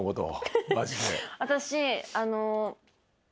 私。